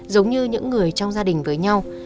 giống như những người trong gia đình với nhau